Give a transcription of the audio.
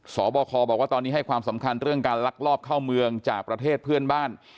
บคบอกว่าตอนนี้ให้ความสำคัญเรื่องการลักลอบเข้าเมืองจากประเทศเพื่อนบ้าน